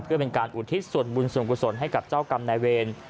เพื่อเป็นการอุทิศส่วนบุญส่วนกุศลให้กับเจ้ากรรมนายเวร